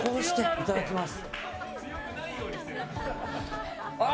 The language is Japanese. いただきます。